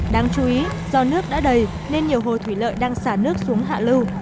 đáng chú ý do nước đã đầy nên nhiều hồ thủy lợi đang xả nước xuống hạ lưu